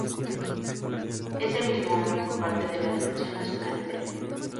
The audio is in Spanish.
Ese mismo año fue parte de la Dirección Nacional Liberal.